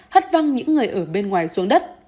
hất văng những người ở bên ngoài xuống đất